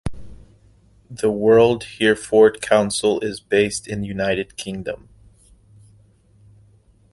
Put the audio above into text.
The World Hereford Council is based in the United Kingdom.